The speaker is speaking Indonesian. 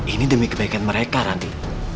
ini demi kebaikan mereka nanti